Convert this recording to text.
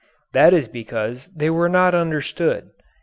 That is because they were not understood.